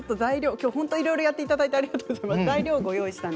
きょうはいろいろやっていただいてありがとうございます。